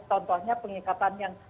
contohnya pengikatan yang